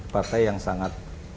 partai yang sangat